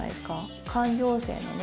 感情線のね。